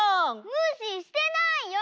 むししてないよ！